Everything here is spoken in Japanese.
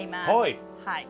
はい。